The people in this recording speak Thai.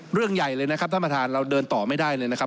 เรื่องใหญ่เลยนะครับท่านประธานเราเดินต่อไม่ได้เลยนะครับ